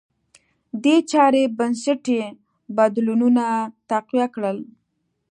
دې چارې بنسټي بدلونونه تقویه کړل.